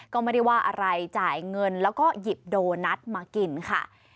ก็ไม่ได้ว่าอะไรจ่ายเงินแล้วก็หยิบโดนัทมากินค่ะ